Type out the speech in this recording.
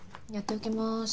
やっておきます。